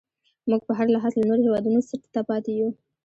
موږ په هر لحاظ له نورو هیوادونو څټ ته پاتې یو.